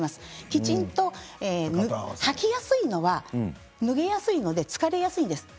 きちんと履きやすいのは脱ぎやすいので疲れやすいんです。